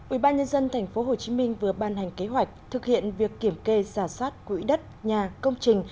ubnd tp hcm vừa ban hành kế hoạch thực hiện việc kiểm kê giả soát quỹ đất nhà công trình